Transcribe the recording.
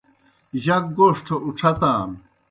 جک گوݜٹھہ اُڇھتان۔